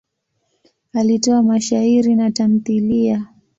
Alitoa mashairi na tamthiliya.